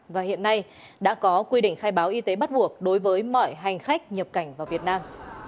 và hiện nay đã có quy định khai báo y tế bắt buộc đối với mọi hành khách nhập cảnh vào việt nam